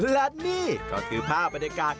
และนี่ก็คือภาพบรรยากาศ